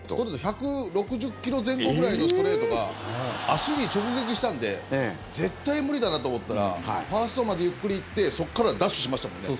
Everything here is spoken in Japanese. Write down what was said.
１６０ｋｍ前後ぐらいのストレートが足に直撃したんで絶対無理だなと思ったらファーストまでゆっくり行ってそこからダッシュしましたもんね。